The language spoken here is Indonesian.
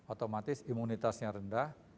otomatis imunitasnya rendah